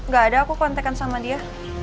gak ada aku kontekan sama dia